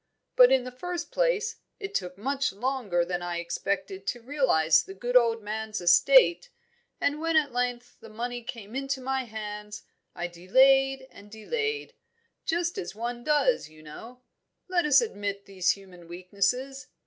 But in the first place, it took much longer than I expected to realise the good old man's estate, and when at length the money came into my hands, I delayed and delayed just as one does, you know; let us admit these human weaknesses.